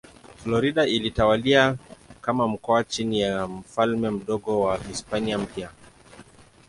Florida ilitawaliwa kama mkoa chini ya Ufalme Mdogo wa Hispania Mpya.